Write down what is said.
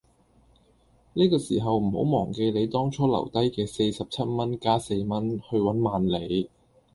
呢個時候唔好忘記你當初留低既四十七蚊加四蚊，去搵萬里